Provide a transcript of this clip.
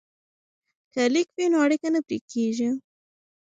که لیک وي نو اړیکه نه پرې کیږي.